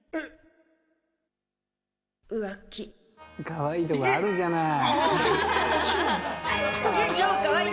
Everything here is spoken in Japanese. かわいいとこあるじゃない。